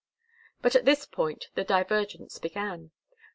But at this point the divergence began.